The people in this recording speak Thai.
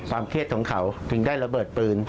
เครียดของเขาถึงได้ระเบิดปืน